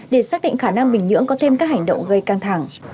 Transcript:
để xác định khả năng bình nhưỡng có thêm các hành động gây căng thẳng